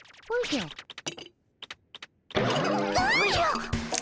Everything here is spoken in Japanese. おじゃ！